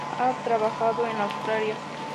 Ha trabajado en Australia.